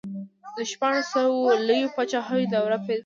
د شپاړسو لویو پاچاهیو دوره پیل شوه.